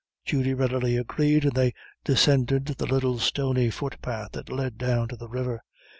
Judy readily agreed, and they descended the little stony footpath which led down to the river.